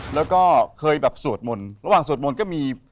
แล้วก็เคยแบบสวดมนต์ระหว่างสวดมนต์ก็มี